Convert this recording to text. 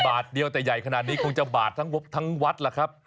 บาดเดียวแต่ใหญ่ขนาดนี้คงจะบาดทั้งวัดเหรอครับ